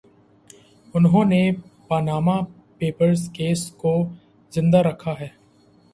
انھوں نے Panama papers case کو زندہ رکھا ہے۔